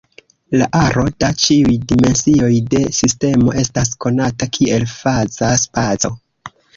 La aro da ĉiuj dimensioj de sistemo estas konata kiel faza spaco.